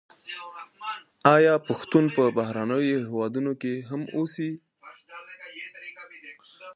آیا پښتون په بهرنیو هېوادونو کي هم اوسي؟